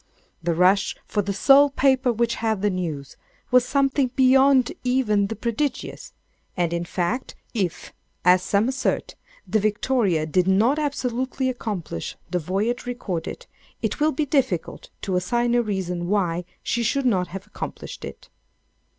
The rush for the "sole paper which had the news," was something beyond even the prodigious; and, in fact, if (as some assert) the "Victoria" did not absolutely accomplish the voyage recorded, it will be difficult to assign a reason why she should not have accomplished it.